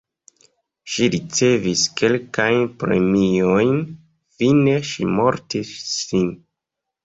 Ŝi ricevis kelkajn premiojn, fine ŝi mortis sin.